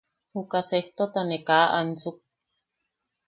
Juka sejtota ne kaa ansuk.